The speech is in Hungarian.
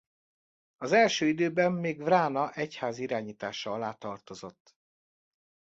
Az első időben még Vrána egyházi irányítása alá tartozott.